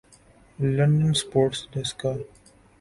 London sports ڈیسکا